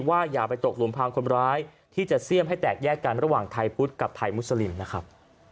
อย่าไปตกหลุมพังคนร้ายที่จะเสี่ยมให้แตกแยกกันระหว่างไทยพุทธกับไทยมุสลิมนะครับ